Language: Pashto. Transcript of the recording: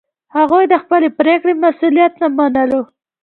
هغوی د خپلې پرېکړې مسوولیت نه منلو.